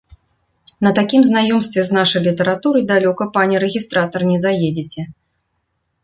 На такім знаёмстве з нашай літаратурай далёка, пане рэгістратар, не заедзеце.